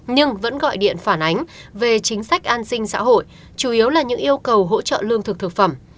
nhưng vẫn gọi điện phản ánh về chính sách an sinh xã hội chủ yếu là những yêu cầu hỗ trợ lương thực thực phẩm